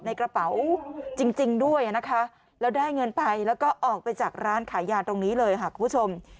ในกระเป๋าจริงด้วยนะคะแล้วได้เงินไปแล้วก็ออกไปจากร้านขายยาตรงนี้เลยค่ะคุณผู้ชม